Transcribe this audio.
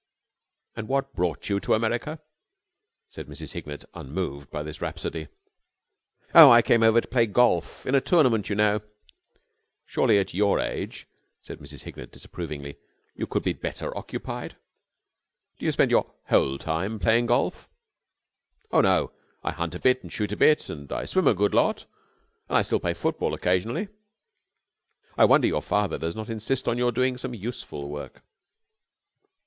"And what brought you to America?" said Mrs. Hignett, unmoved by this rhapsody. "Oh, I came over to play golf. In a tournament, you know." "Surely at your age," said Mrs. Hignett, disapprovingly, "you could be better occupied. Do you spend your whole time playing golf?" "Oh, no. I hunt a bit and shoot a bit and I swim a good lot, and I still play football occasionally." "I wonder your father does not insist on your doing some useful work."